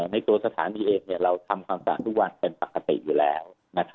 ในตัวสถานีเองเราทำความสะอาดทุกวันเป็นปกติอยู่แล้ว